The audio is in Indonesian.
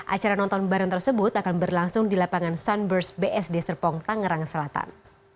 acara nonton bareng tersebut akan berlangsung di lapangan sunburst bsd serpong tangerang selatan